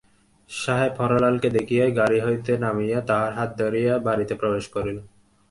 সাহেব হরলালকে দেখিয়াই গাড়ি হইতে নামিয়া তাহার হাত ধরিয়া বাড়িতে প্রবেশ করিল।